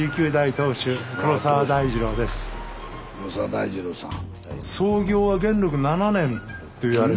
黒澤大二郎さん。